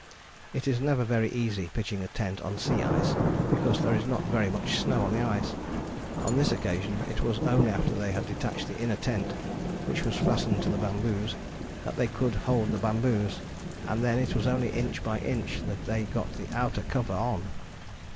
It is never very easy pitching a tent on sea ice because there is not very much snow on the ice: on this occasion it was only after they had detached the inner tent, which was fastened to the bamboos, that they could hold the bamboos, and then it was only inch by inch that they got the outer cover on.